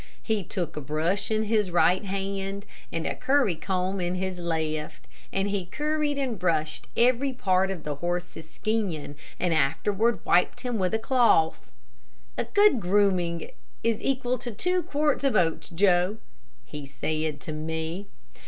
He took a brush in his right hand, and a curry comb in his left, and he curried and brushed every part of the horse's skin, and afterward wiped him with a cloth. "A good grooming is equal to two quarts of oats, Joe," he said to me.